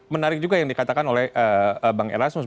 menarik juga yang dikatakan oleh bang erasmus